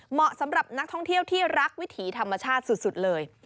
เหมาะสำหรับนักท่องเที่ยวที่รักวิถีธรรมชาติสุดเลย